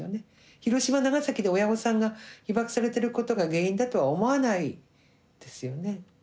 広島長崎で親御さんが被爆されてることが原因だとは思わないですよね。